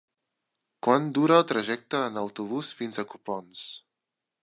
Quant dura el trajecte en autobús fins a Copons?